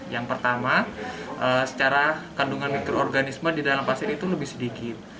yang pertama secara kandungan mikroorganisme di dalam pasir itu lebih sedikit